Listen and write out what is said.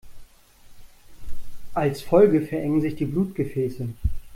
Als Folge verengen sich die Blutgefäße.